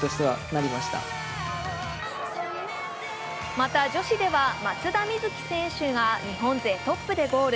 また、女子では松田瑞生選手が日本勢トップでゴール。